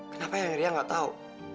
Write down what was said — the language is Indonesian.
kenapa yang ria gak tau